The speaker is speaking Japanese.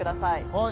はい。